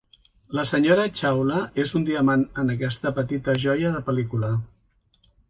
La Sra. Chawla és un diamant en aquesta petita joia de pel·lícula.